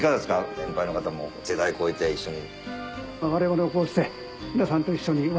年配の方も世代超えて一緒に。